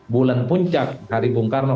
bulan puncak hari bung karno